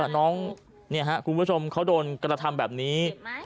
คุณผู้ชมเขาโดนกระทำแบบนี้